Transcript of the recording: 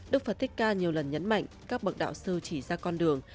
đức phật thích ca nhiều lần nhấn mạnh các bậc đạo sư chỉ ra con đường